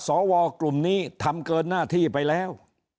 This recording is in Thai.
สวกลุ่มนี้ทำเกินหน้าที่ไปแล้ว